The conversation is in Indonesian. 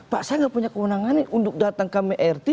pak saya gak punya kewenangan untuk datang ke mert